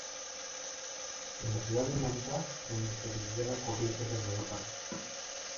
Es en la ciudad de Manta donde se desvía la corriente hacia Galápagos.